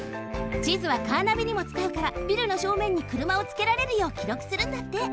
地図はカーナビにもつかうからビルのしょうめんにくるまをつけられるようきろくするんだって。